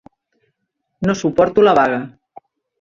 No suporto la vaga.